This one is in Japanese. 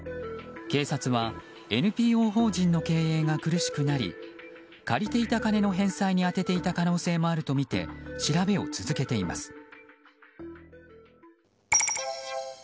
警察は、ＮＰＯ法人の経営が苦しくなり借りていた金の返済に充てていた可能性もあるとみて調べを続けています。